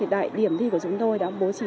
tại điểm thi của chúng tôi đã bố trí